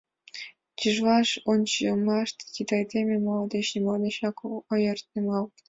Тӱжвач ончымаште тиде айдеме моло деч нимо денат ок ойыртемалт.